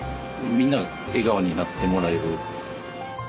みんな笑顔になってもらえる。